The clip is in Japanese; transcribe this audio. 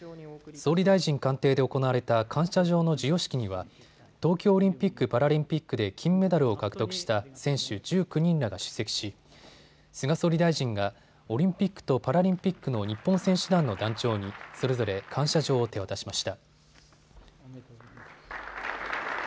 総理大臣官邸で行われた感謝状の授与式には東京オリンピック・パラリンピックで金メダルを獲得した選手１９人らが出席し、菅総理大臣がオリンピックとパラリンピックの日本選手団の団長にそれぞれ感謝状を手渡しました。